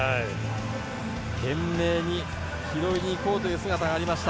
懸命に拾いにいこうという姿がありました。